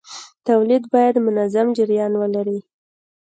تولید باید منظم جریان ولري.